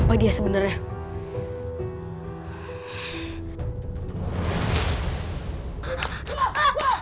pakainya yang menentusi pertumbuhan